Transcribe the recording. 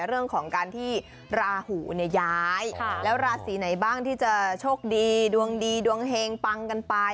เรื่องของการที่ราหูเนี่ยย้ายแล้วราศีไหนบ้างที่จะโชคดีดวงดีดวงเฮงปังกันไป